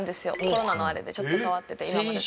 コロナのあれでちょっと変わってて今までと。